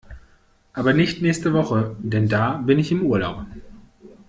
Aber nicht nächste Woche, denn da bin ich im Urlaub.